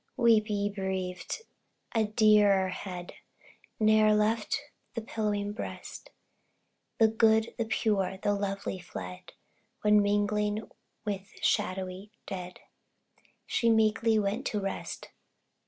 Weep, ye bereaved! a dearer head, Ne'er left the pillowing breast; The good, the pure, the lovely fled, When mingling with the shadowy dead, She meekly went to rest.